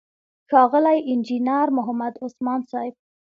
ښاغلی انجينر محمد عثمان صيب،